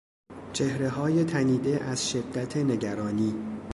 چهرههای تنیده از شدت نگرانی